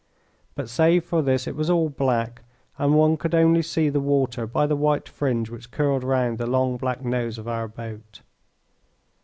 But save for this it was all black, and one could only see the water by the white fringe which curled round the long black nose of our boat.